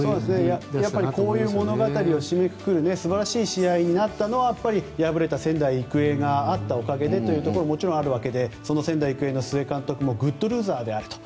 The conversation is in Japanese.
こういう物語を締めくくる素晴らしい試合になったのは敗れた仙台育英があったおかげでというところはもちろんあるわけでその仙台育英の須江監督もグッドルーザーであれと。